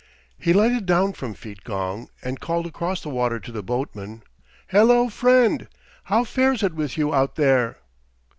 He lighted down from Feetgong and called across the water to the boatman, "Hello, friend! How fares it with you out there?"